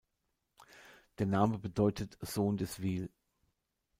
Der Name bedeutet "Sohn des Wil".